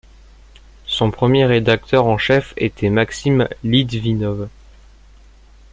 Son premier rédacteur en chef était Maxime Litvinov.